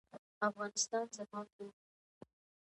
افغانستان زما کور دی.